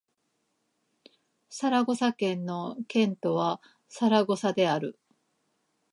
サラゴサ県の県都はサラゴサである